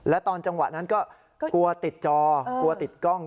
และตอนจังหวะนั้นก็กลัวติดจอกลัวติดกล้อง